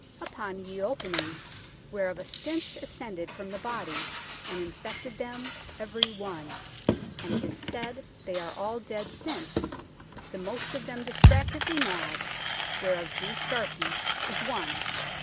upon ye opening whereof a stinch ascended from the body, and infected them every one, and it is said they are all dead since, the most of them distractedly madd, whereof G. Starkey is one.